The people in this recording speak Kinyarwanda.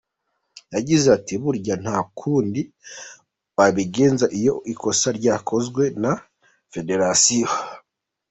Yagize ati “Burya nta kundi wabigenza iyo ikosa ryakozwe na federasiyo.